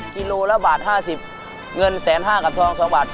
กิโลละบาทห้าสิบเงินแสนห้ากับทองสองบาท